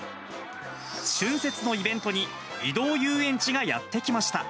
春節のイベントに、移動遊園地がやって来ました。